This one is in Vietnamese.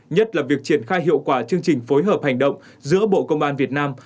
nhất là việc triển khai hiệu quả chương trình phối hợp hành động giữa bộ công an việt nam